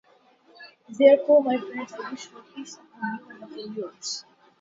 Therefore, my friends, I wish for peace, upon you and upon yours.